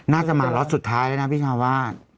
น่าจะหมาล็อตสุดท้ายเลยนะพี่ธาวะ